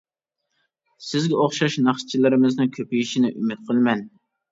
سىزگە ئوخشاش ناخشىچىلىرىمىزنىڭ كۆپىيىشىنى ئۈمىد قىلىمەن.